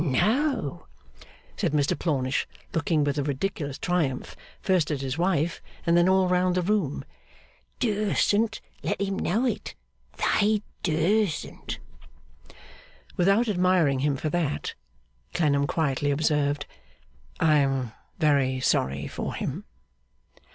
No!' said Plornish, looking with a ridiculous triumph first at his wife, and then all round the room. 'Dursn't let him know it, they dursn't!' 'Without admiring him for that,' Clennam quietly observed, 'I am very sorry for him.